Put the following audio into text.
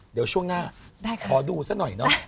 เดี๋ยวช่วงหน้าขอดูซะหน่อยเนอะ